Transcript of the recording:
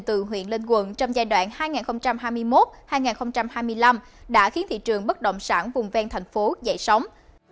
từ huyện lên quận trong giai đoạn hai nghìn hai mươi một hai nghìn hai mươi năm đã khiến thị trường bất động sản vùng ven thành phố dậy sóng